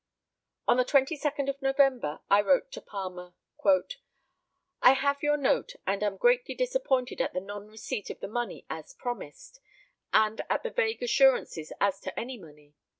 On the 22nd of November I wrote to Palmer: "I have your note and am greatly disappointed at the non receipt of the money as promised, and at the vague assurances as to any money.